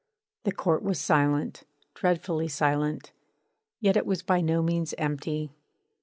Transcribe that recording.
The court was silent, dreadfully silent; yet it was by no means empty.